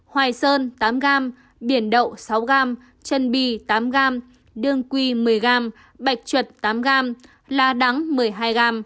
hoài sơn tám g biển đậu sáu g chân bi tám g đương quy một mươi g bạch chuột tám g lá đắng một mươi hai g